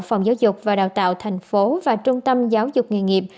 phòng giáo dục và đào tạo thành phố và trung tâm giáo dục nghề nghiệp